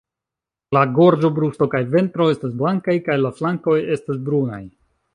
La gorĝo, brusto kaj ventro estas blankaj, kaj la flankoj estas brunaj.